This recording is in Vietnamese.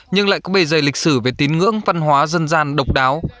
nhưng lại có bề dày lịch sử về tín ngưỡng văn hóa dân gian độc đáo